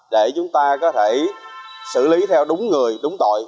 để chúng ta có thể xử lý theo đúng người đúng tội